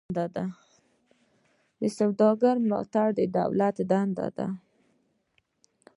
د سوداګرو ملاتړ د دولت دنده ده